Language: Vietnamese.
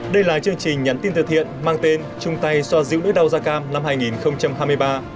đây là chương trình nhắn tin thừa thiện mang tên trung tay soa dịu nỗi đau gia cam năm hai nghìn hai mươi ba